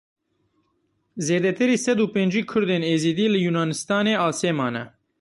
Zêdetirî sed û pêncî Kurdên Êzidî li Yunanistanê asê mane.